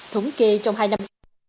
thống kê trong hai năm